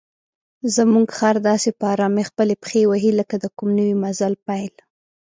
زموږ خر داسې په آرامۍ خپلې پښې وهي لکه د کوم نوي مزل پیل.